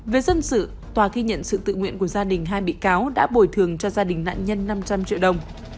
về dân sự tòa ghi nhận sự tự nguyện của gia đình hai bị cáo đã bồi thường cho gia đình nạn nhân năm trăm linh triệu đồng